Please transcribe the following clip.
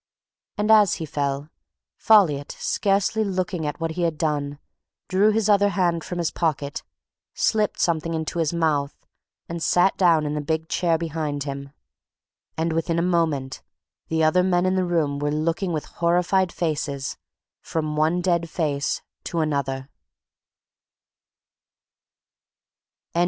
And as he fell, Folliot, scarcely looking at what he had done, drew his other hand from his pocket, slipped something into his mouth and sat down in the big chair behind him ... and within a moment the other men in the room were looking with horrified faces from one dead face to another.